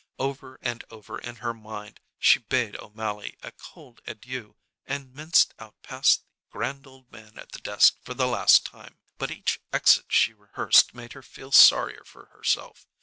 Over and over in her mind she bade O'Mally a cold adieu and minced out past the grand old man at the desk for the last time. But each exit she rehearsed made her feel sorrier for herself.